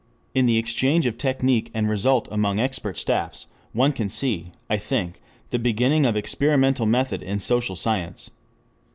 In the exchange of technic and result among expert staffs, one can see, I think, the beginning of experimental method in social science.